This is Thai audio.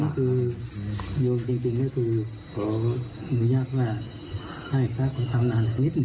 คือโยมจริงก็คือขออนุญาตว่าให้พระขอตำนานสักนิดหนึ่ง